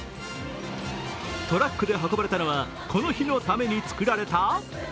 トラックで運ばれたのはこの日のために作られた、